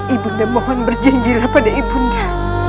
ibu nde mohon berjanjilah pada ibu nde